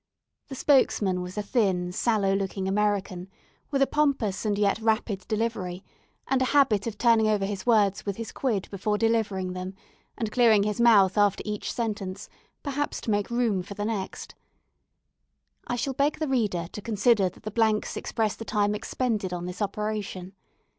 The spokesman was a thin, sallow looking American, with a pompous and yet rapid delivery, and a habit of turning over his words with his quid before delivering them, and clearing his mouth after each sentence, perhaps to make room for the next. I shall beg the reader to consider that the blanks express the time expended on this operation.